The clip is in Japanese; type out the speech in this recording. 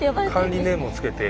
管理ネームをつけて。